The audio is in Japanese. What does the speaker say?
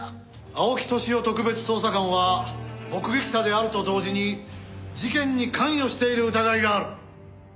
青木年男特別捜査官は目撃者であると同時に事件に関与している疑いがある。